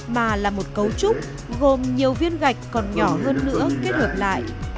mà là một cấu trúc gồm nhiều viên gạch còn nhỏ hơn nữa kết hợp lại